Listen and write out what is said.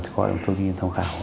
chúng tôi cũng là người tham khảo